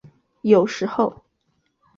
有时候。